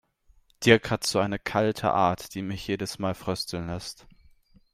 Dirk hat so eine kalte Art, die mich jedes Mal frösteln lässt.